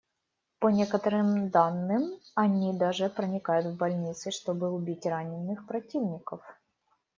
По некоторым данным, они даже проникают в больницы, чтобы убить раненых противников.